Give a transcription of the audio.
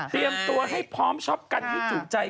เตรียมตัวให้พร้อมชอบกันให้จุใจ